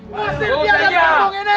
masih dia dan tarno ini